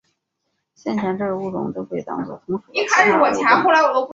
先前这个物种都被当作同属的其他物种。